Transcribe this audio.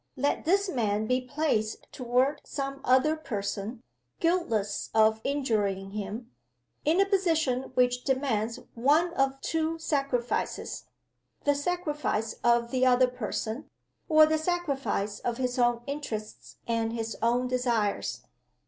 Let this man be placed toward some other person, guiltless of injuring him, in a position which demands one of two sacrifices: the sacrifice of the other person, or the sacrifice of his own interests and his own desires.